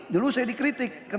dulu saya dikritik